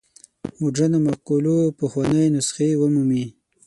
مډرنو مقولو پخوانۍ نسخې ومومي.